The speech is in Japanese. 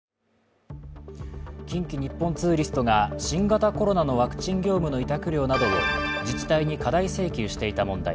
近畿日本ツーリストが新型コロナのワクチン業務の委託料などを自治体に過大請求していた問題。